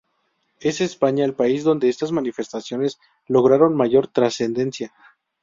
Es España el país donde estas manifestaciones lograron mayor trascendencia.